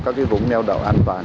các vũng nheo đảo an toàn